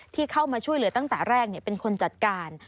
ที่เข้ามาช่วยเหลือตั้งแต่แรกเป็นคนจัดการ